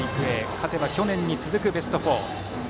勝てば去年に続く、ベスト４。